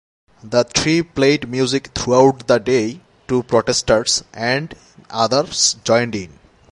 The three played music throughout the day to protesters and others joined in.